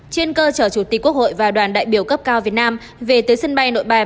trên cơ sở chủ tịch quốc hội và đoàn đại biểu cấp cao việt nam về tới sân bay nội bài